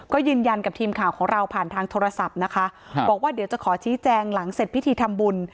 ก็ยืนยันกับทีมข่าวของเราผ่านทางโทรศัพท์นะคะบอกว่าเดี๋ยวจะขอชี้แจงหลังเสร็จพิธีทำบุญ